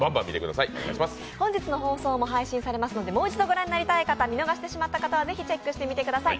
本日の放送も配信されますので、もう一度ご覧になりたい方、見逃してしまった方はぜひチェックしてみてください。